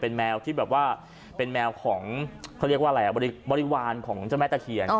แมวที่แบบว่าเป็นแมวของเขาเรียกว่าอะไรอ่ะบริวารของเจ้าแม่ตะเคียน